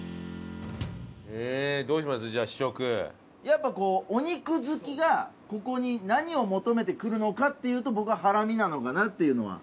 やっぱこうお肉好きがここに何を求めて来るのかっていうと僕はハラミなのかなっていうのは。